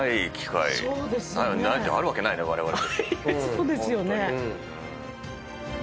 そうですよね。